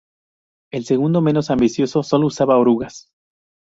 El segundo, menos ambicioso, solo usaba orugas.